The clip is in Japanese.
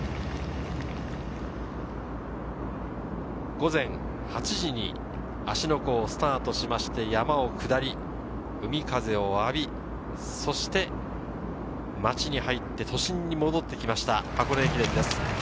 午前８時に芦ノ湖をスタートして山を下り、海風を浴び、そして街に入って都心に戻ってきました、箱根駅伝です。